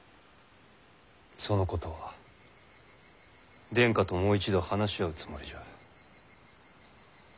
そのことは殿下ともう一度話し合うつもりじゃ。